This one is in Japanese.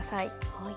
はい。